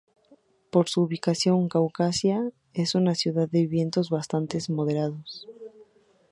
Por su ubicación, Caucasia es una ciudad de vientos bastante moderados.